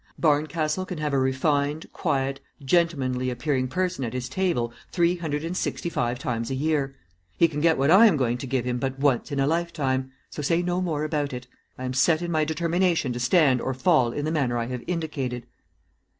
Barncastle can have a refined, quiet, gentlemanly appearing person at his table three hundred and sixty five times a year. He can get what I am going to give him but once in a lifetime, so say no more about it. I am set in my determination to stand or fall in the manner I have indicated."